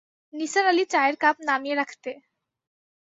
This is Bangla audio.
নিসার আলি চায়ের কাপ নামিয়ে রাখতে।